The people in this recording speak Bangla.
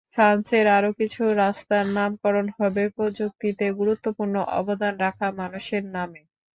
ফ্রান্সের আরও কিছু রাস্তার নামকরণ হবে প্রযুক্তিতে গুরুত্বপূর্ণ অবদান রাখা মানুষের নামে।